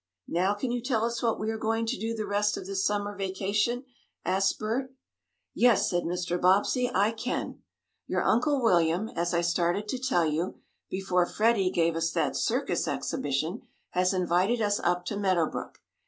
"Now can you tell us what we are going to do the rest of this summer vacation?" asked Bert. "Yes," said Mr. Bobbsey, "I can. Your Uncle William, as I started to tell you, before Freddie gave us that circus exhibition, has invited us up to Meadow Brook.